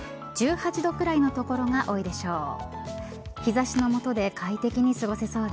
１８度くらいの所が多いでしょう。